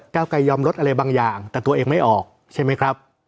ไกยอมลดอะไรบางอย่างแต่ตัวเองไม่ออกใช่ไหมครับ